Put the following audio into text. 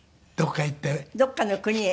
どこかの国へ？